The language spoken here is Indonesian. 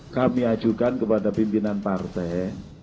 kami ajukan kepada pimpinan partai